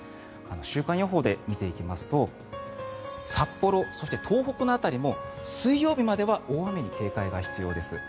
週間予報で見ていきますと札幌、そして東北の辺りも水曜日までは大雨に警戒が必要です。